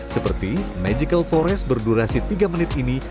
seperti magical forest berdurasi tiga menit ini